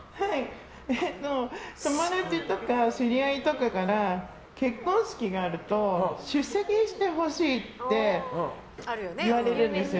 友達とか知り合いとかから結婚式があると出席してほしいって言われるんですよ。